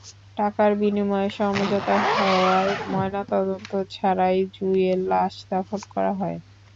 টাকার বিনিময়ে সমঝোতা হওয়ায় ময়নাতদন্ত ছাড়াই জুঁইয়ের লাশ দাফন করা হয়।